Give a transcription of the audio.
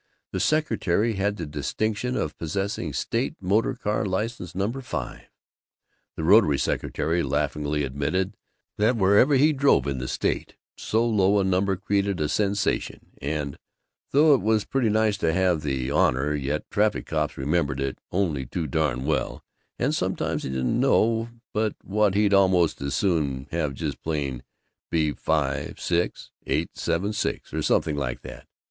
The secretary had the distinction of possessing State Motor Car License Number 5. The Rotary secretary laughingly admitted that wherever he drove in the state so low a number created a sensation, and "though it was pretty nice to have the honor, yet traffic cops remembered it only too darn well, and sometimes he didn't know but what he'd almost as soon have just plain B56,876 or something like that.